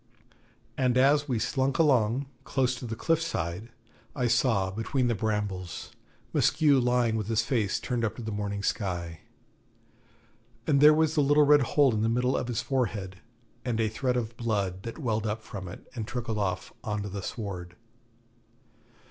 And as we slunk along, close to the cliff side, I saw, between the brambles, Maskew lying with his face turned up to the morning sky. And there was the little red hole in the middle of his forehead, and a thread of blood that welled up from it and trickled off on to the sward.